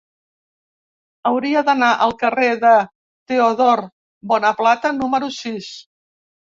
Hauria d'anar al carrer de Teodor Bonaplata número sis.